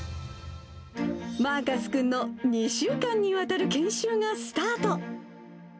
マーカス君の２週間にわたる研修がスタート。